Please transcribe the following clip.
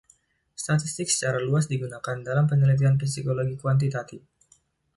Statistik secara luas digunakan dalam penelitian psikologi kuantitatif.